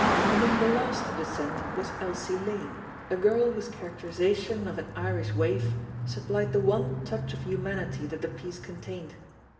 Among the last to descend was Elsie Lane, a girl whose characterisation of an Irish waif supplied the one touch of humanity that the piece contained.